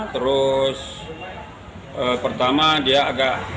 terus pertama dia agak